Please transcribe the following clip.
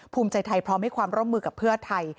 ภูมิใจไทยพร้อมให้ความร่วมมือกับเพื่อไทย